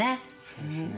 そうですね。